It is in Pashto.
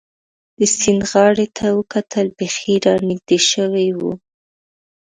د سیند غاړې ته وکتل، بېخي را نږدې شوي و.